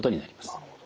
なるほど。